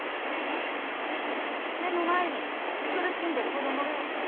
目の前に苦しんでる子供がいる。